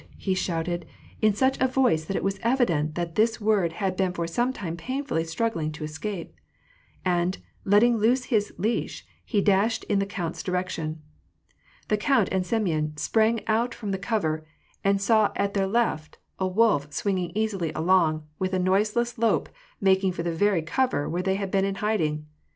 " he shouted, in such a voice that it was evident that this word had been for some time painfully struggling to escs^. And, letting loose his leash, he dashed in the count's direction. The count and Semyon sprang out from the cover, and saw at their left a wolf swinging easily along, and with a noiseless lope making for the very cover where they had been in hiding.